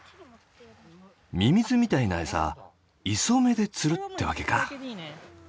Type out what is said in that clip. ミミズみたいな餌イソメで釣るってわけか。